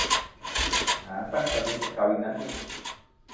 Apa status perkawinanmu?